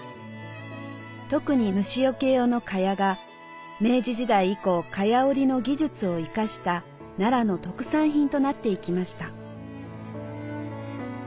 特に虫よけ用の蚊帳が明治時代以降蚊帳織の技術を生かした奈良の特産品となっていきました。